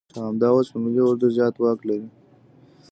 چې همدا اوس په ملي اردو زيات واک لري.